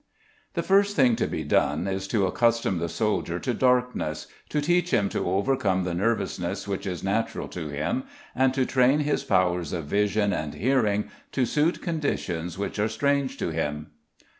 The first thing to be done is to accustom the soldier to darkness, to teach him to overcome the nervousness which is natural to him, and to train his powers of vision and hearing to suit conditions which are strange to him.